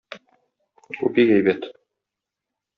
Бу бик әйбәт.